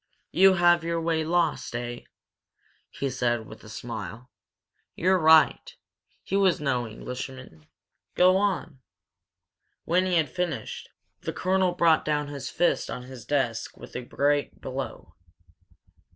"You have your way lost!' Eh?" he said, with a smile. "You're right he was no Englishman! Go on!" When he had finished, the colonel brought down his fist on his desk with a great blow.